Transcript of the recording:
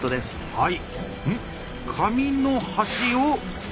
はい。